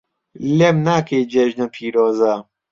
لێم ناکەی جێژنە پیرۆزە